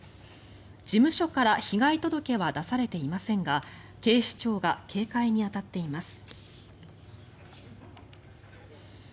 事務所から被害届は出されていませんが警視庁が警戒に当たっています。